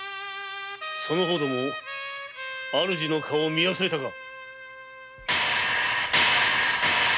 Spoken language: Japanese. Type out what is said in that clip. その方ども主人の顔を見忘れたか。